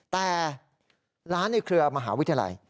แต่ร้านในเครือมหาวิทยาลัย